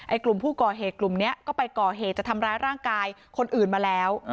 กลุ่มผู้ก่อเหตุกลุ่มนี้ก็ไปก่อเหตุจะทำร้ายร่างกายคนอื่นมาแล้ว